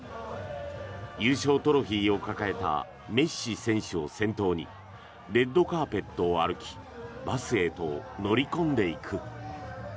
優勝トロフィーを抱えたメッシ選手を先頭にレッドカーペットを歩きバスへと乗り込んでいく。